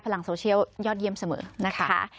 ลังโซเชียลยอดเยี่ยมเสมอนะคะ